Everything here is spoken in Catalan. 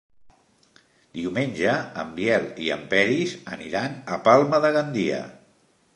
Diumenge en Biel i en Peris aniran a Palma de Gandia.